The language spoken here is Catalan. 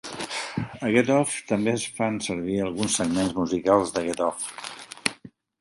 A "Get off" també es fan servir alguns segments musicals de "Get off".